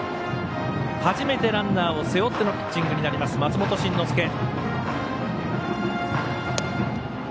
初めてランナーを背負ってのピッチングになります松本慎之介。